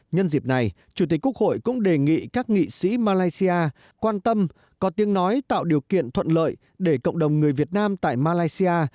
nhân dịp này chủ tịch quốc hội cũng đề nghị các nghị sĩ malaysia quan tâm có tiếng nói tạo điều kiện thuận lợi để cộng đồng người việt nam tại malaysia